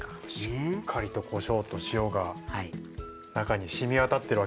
しっかりとこしょうと塩が中に染み渡ってるわけですね。